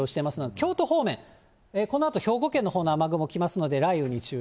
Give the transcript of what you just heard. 京都方面、このあと兵庫県のほうの雨雲来ますので、雷雨に注意。